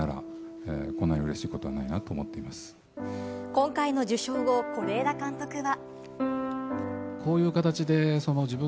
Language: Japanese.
今回の受賞を是枝監督は。